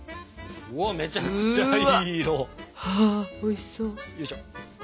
うわめちゃくちゃいい色！ああおいしそう。